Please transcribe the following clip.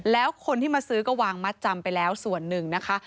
แล้วคนที่มาซื้อก็วางมัดจำไปแล้วส่วนหนึ่งนะคะ